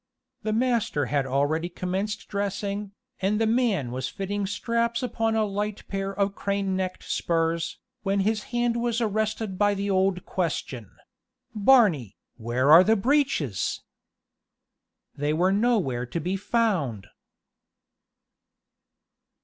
The master had already commenced dressing, and the man was fitting straps upon a light pair of crane necked spurs, when his hand was arrested by the old question "Barney, where are the breeches?" They were nowhere to be found!